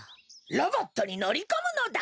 ロボットにのりこむのだ。